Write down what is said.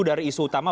dari isu utama